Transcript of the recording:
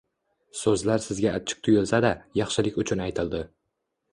So'zlar sizga achchiq tuyulsa-da, yaxshilik uchun aytildi.